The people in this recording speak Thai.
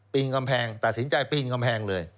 กำแพงตัดสินใจปีนกำแพงเลย